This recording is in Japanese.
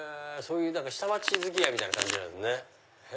下町付き合いみたいな感じなんですね。